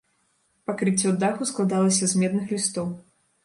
Пакрыццё даху складалася з медных лістоў.